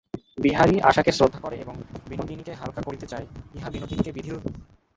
বিহারী আশাকে শ্রদ্ধা করে এবং বিনোদিনীকে হালকা করিতে চায়, ইহা বিনোদিনীকে বিঁধিল।